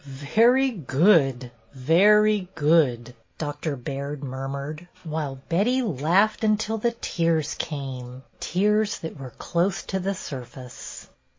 " "Very good! very good!" Doctor Baird murmured, while Betty laughed until the tears came, tears that were close to the surface.